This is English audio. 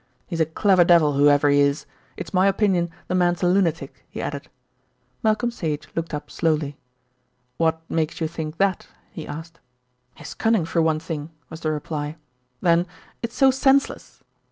"He's a clever devil whoever he is. It's my opinion the man's a lunatic," he added. Malcolm Sage looked up slowly. "What makes you think that?" he asked. "His cunning, for one thing," was the reply. "Then it's so senseless.